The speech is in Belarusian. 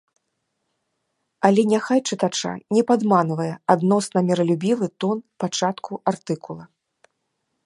Але няхай чытача не падманвае адносна міралюбівы тон пачатку артыкула.